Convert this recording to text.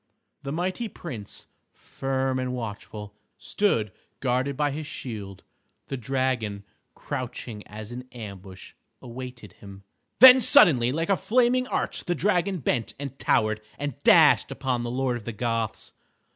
The mighty Prince, firm and watchful, stood guarded by his shield. The dragon, crouching as in ambush, awaited him. Then suddenly like a flaming arch the dragon bent and towered, and dashed upon the Lord of the Goths.